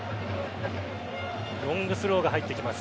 ロングスローが入ってきます。